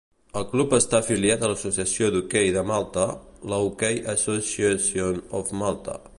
El club està afiliat a l'associació d'hoquei de Malta, la Hockey Association of Malta.